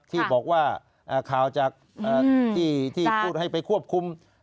ที่บอกว่าข่าวจากที่พูดให้ไปควบคุม